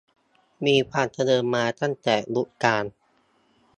มีความเจริญมาตั้งแต่ยุคกลาง